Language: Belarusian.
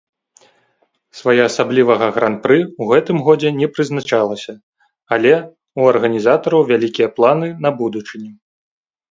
Своеасаблівага гран-пры ў гэтым годзе не прызначалася, але ў арганізатараў вялікія планы на будучыню.